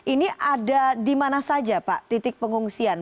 ini ada di mana saja pak titik pengungsian